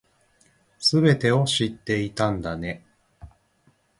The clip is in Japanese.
全てを知っていたんだね